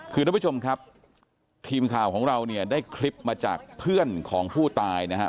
คือท่านผู้ชมครับทีมข่าวของเราเนี่ยได้คลิปมาจากเพื่อนของผู้ตายนะฮะ